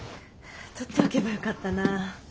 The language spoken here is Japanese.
録っておけばよかったな。